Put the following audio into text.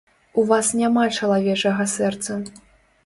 У вас няма чалавечага сэрца.